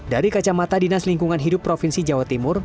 dari kacamata dinas lingkungan hidup provinsi jawa timur